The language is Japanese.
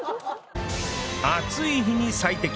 暑い日に最適